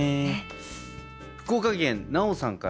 福岡県なおさんから。